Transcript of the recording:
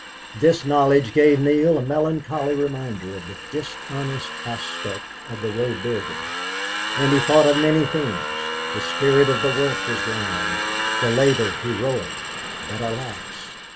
This knowledge gave Neale a melancholy reminder of the dishonest aspect of the road building. And he thought of many things. The spirit of the work was grand, the labor heroic, but, alas!